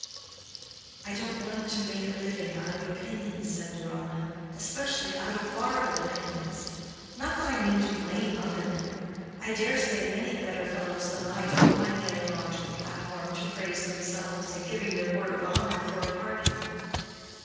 "I don't want to make a living out of opinions," said Deronda; "especially out of borrowed opinions. Not that I mean to blame other men. I dare say many better fellows than I don't mind getting on to a platform to praise themselves, and giving their word of honor for a party."